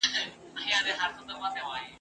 موږ یې په لمبه کي د زړه زور وینو ..